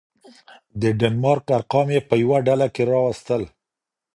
د دنمارک ارقام يې په يوه ډله کي راوستل.